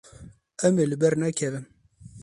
Em ê li ber nekevin.